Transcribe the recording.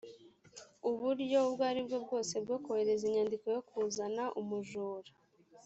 uburyo ubwo ari bwo bwose bwo kohereza inyandiko yo kuzana umujura